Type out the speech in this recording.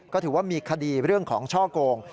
ก็ถือว่ามีคดีเรื่องของช่อโกง